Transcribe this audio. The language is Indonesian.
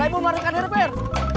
ada ibu marah kadir per